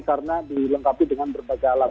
karena dilengkapi dengan berbagai alat